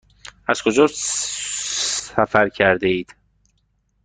از کجا سفر کرده اید؟